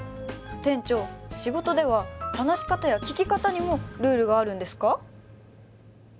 店長仕事では話し方や聞き方にもルールがあるんですか？